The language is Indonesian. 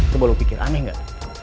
kamu pikir aneh gak